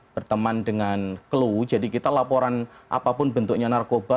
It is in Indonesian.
dan dengan clue jadi kita laporan apapun bentuknya narkoba